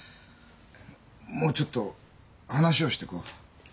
もうちょっと話をしてこう。